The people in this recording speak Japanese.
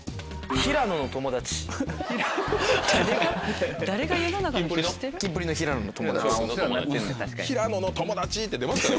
「平野の友達」って出ますかね？